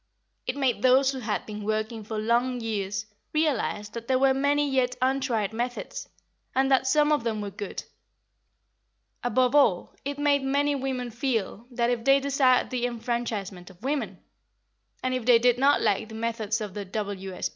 It made those who had been working for long years realise that there were many yet untried methods, and that some of them were good. Above all, it made many women feel that, if they desired the enfranchisement of women, and if they did not like the methods of the W.S.